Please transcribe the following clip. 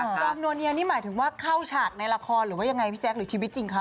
จอมนัวเนียนี่หมายถึงว่าเข้าฉากในละครหรือว่ายังไงพี่แจ๊คหรือชีวิตจริงคะ